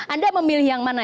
anda memilih yang mana